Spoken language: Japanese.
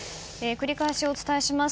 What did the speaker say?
繰り返し、お伝えします。